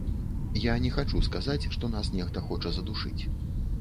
Я не хачу сказаць, што нас нехта хоча задушыць.